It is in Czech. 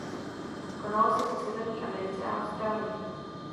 Konalo se po Severní Americe a Austrálii.